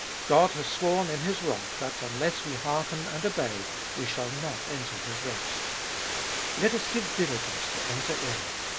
God has sworn in His wrath that unless we hearken and obey, we shall not enter His rest Let us give diligence to enter in.